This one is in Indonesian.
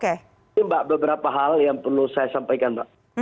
ini mbak beberapa hal yang perlu saya sampaikan mbak